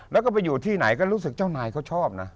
แล้วก็ไปอยู่ที่ไหนก็รู้สึกเจ้านายเขาชอบนะ